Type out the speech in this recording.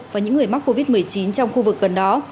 và những người mắc covid một mươi chín trong khu vực gần đó